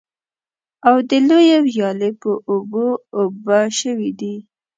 او د لویې ويالې په اوبو اوبه شوي دي.